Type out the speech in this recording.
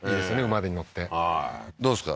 馬に乗ってどうですか？